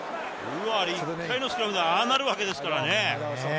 １回のスクラムでああなるわけですからね。